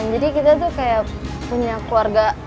jadi kita tuh kayak punya keluarga